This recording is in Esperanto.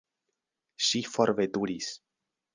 Ŝi forveturis.